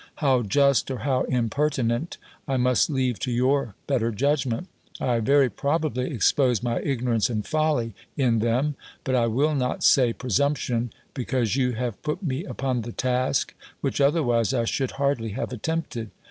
How just or how impertinent, I must leave to your better judgment. I very probably expose my ignorance and folly in them, but I will not say presumption, because you have put me upon the task, which otherwise I should hardly have attempted.